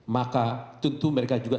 maka tentu mereka juga